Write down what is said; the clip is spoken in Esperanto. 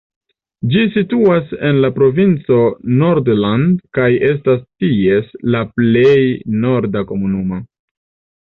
Ĝi situas en la provinco Nordland kaj estas ties la plej norda komunumo.